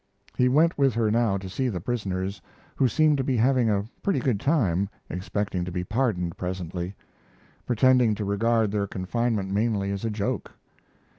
He went with her now to see the prisoners, who seemed to be having a pretty good time, expecting to be pardoned presently; pretending to regard their confinement mainly as a joke.